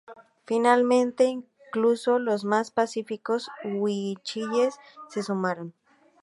Finalmente, incluso los más pacíficos huilliches se sumaron.